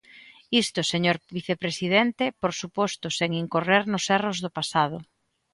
Isto, señor vicepresidente, por suposto, sen incorrer nos erros do pasado.